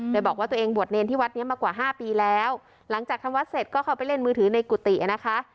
โดยบอกว่าตัวเองบวชเนรที่วัดนี้มากว่าห้าปีแล้วหลังจากทำวัดเสร็จก็เข้าไปเล่นมือถือในกุฏินะคะ